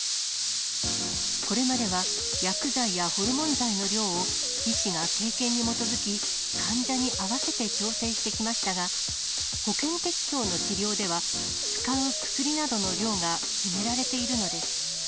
これまでは薬剤やホルモン剤の量を医師が経験に基づき、患者に合わせて調整してきましたが、保険適用の治療では、使う薬などの量が決められているのです。